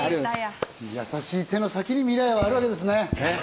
優しい手の先に未来はあるわけですね。